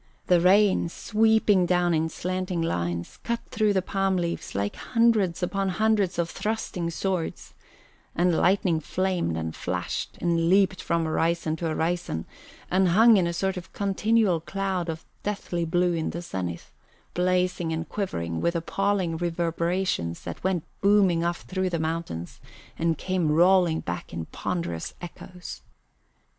The rain, sweeping down in slanting lines, cut through the palm leaves like hundreds upon hundreds of thrusting swords; and lightning flamed and flashed, and leaped from horizon to horizon, and hung in a sort of continual cloud of deathly blue in the zenith, blazing and quivering with appalling reverberations that went booming off through the mountains and came rolling back in ponderous echoes.